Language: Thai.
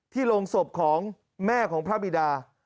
โรงศพของแม่ของพระบิดา